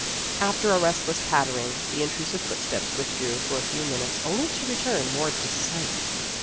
After a restless pattering, the intrusive footsteps withdrew for a few minutes only to return more decided.